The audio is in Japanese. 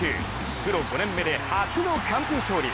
プロ５年目で初の完封勝利。